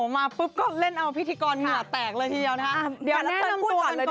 มาปุ๊บก็เล่นเอาพิธีกรเหนื่อยแตกเลยทีเดียวนะ